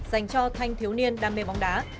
dành cho thanh thiếu niên đam mê bóng đá